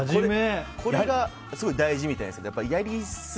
これが大事みたいです。